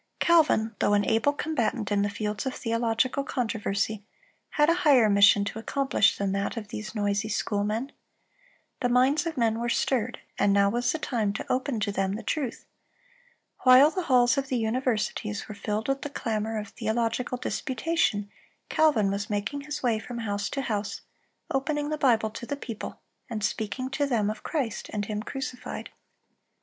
Calvin, though an able combatant in the fields of theological controversy, had a higher mission to accomplish than that of these noisy schoolmen. The minds of men were stirred, and now was the time to open to them the truth. While the halls of the universities were filled with the clamor of theological disputation, Calvin was making his way from house to house, opening the Bible to the people, and speaking to them of Christ and Him crucified.